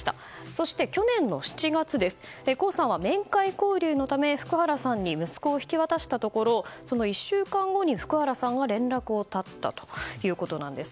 そして去年の７月江さんは面会交流のため福原さんに息子を引き渡したところその１週間後に福原さんが連絡を絶ったということなんです。